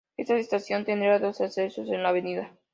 Esta estación tendrá dos accesos en la av.